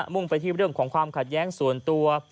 ่งไปที่เรื่องของความขัดแย้งส่วนตัว